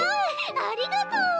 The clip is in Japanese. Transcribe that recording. ありがと！